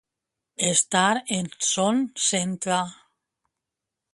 Estar en son centre.